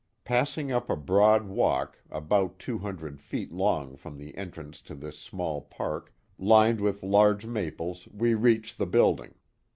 Passing up a broad walk, about two hundred feet long from the entrance to this sniall park, lined with large maples, we reach the building.